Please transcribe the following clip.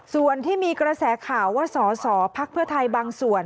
ส่วนที่มีกระแสข่าวว่าสสพทบางส่วน